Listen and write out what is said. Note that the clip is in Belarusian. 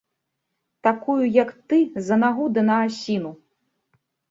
Такую, як ты, за нагу ды на асіну!